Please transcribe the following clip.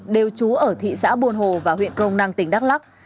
đều chú ở thị xã buồn hồ và huyện công năng tỉnh đắk lắc